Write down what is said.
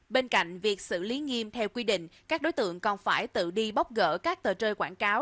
bên cạnh việc xử lý nghiêm theo quy định các đối tượng còn phải tự đi bóc gỡ các tờ rơi quảng cáo